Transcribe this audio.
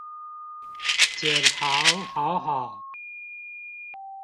減醣好好